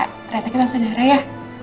ternyata kita saudara ya